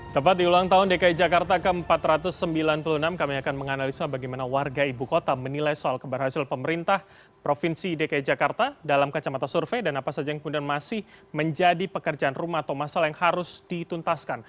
tepat di ulang tahun dki jakarta ke empat ratus sembilan puluh enam kami akan menganalisa bagaimana warga ibu kota menilai soal keberhasilan pemerintah provinsi dki jakarta dalam kacamata survei dan apa saja yang kemudian masih menjadi pekerjaan rumah atau masalah yang harus dituntaskan